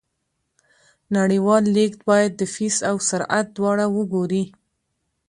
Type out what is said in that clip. نړیوال لیږد باید د فیس او سرعت دواړه وګوري.